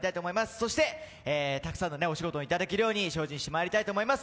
そしてたくさんのお仕事をいただけるように精進してまいります！